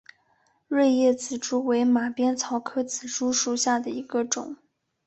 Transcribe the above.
锐叶紫珠为马鞭草科紫珠属下的一个种。